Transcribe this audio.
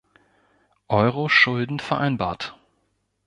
Euro Schulden vereinbart.